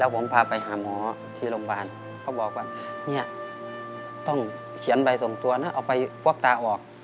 ผมพาไปหาหมอที่โรงพยาบาลเขาบอกว่าเนี่ยต้องเขียนใบส่งตัวนะเอาไปฟอกตาออก